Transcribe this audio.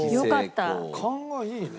勘がいいね。